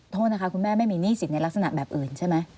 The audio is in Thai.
โทษนะคะคุณแม่ไม่มีหนี้สินในลักษณะแบบอื่นใช่ไหม